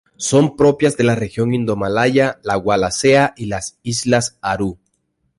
Son propias de la región indomalaya, la Wallacea y las islas Aru.